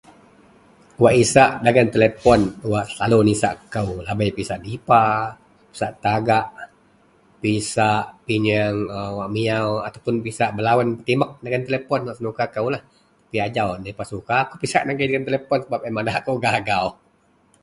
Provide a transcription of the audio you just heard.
Wak isak dagen telepon wak selalu nisak kou lahabei, pisak dipa, pisak tagak, pisak pinyeng wak miaw atau puon pisak belawen petimek dagen telepon wak senuka kou. Tapi ajau nda berapa suka agei akou pisak dagen telepon sebab madak akou gagau.